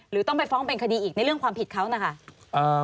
ต้องไปฟ้องเป็นคดีอีกในเรื่องความผิดเขานะคะ